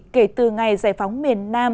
kể từ ngày giải phóng miền nam